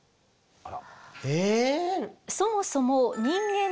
あら。